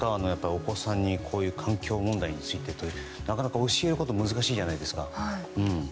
お子さんに環境問題についてなかなか教えることが難しいじゃないですか。